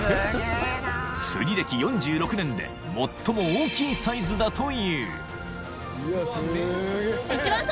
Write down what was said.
［釣り歴４６年で最も大きいサイズだという］